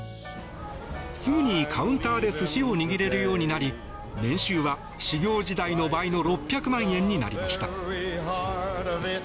すぐにカウンターで寿司を握れるようになり年収は修業時代の倍の６００万円になりました。